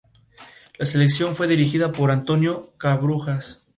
No se tiene seguridad de quien fue su padre.